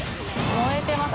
燃えてます